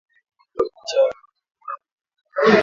Ugonjwa wa kichaa cha mbwa kwa ngamia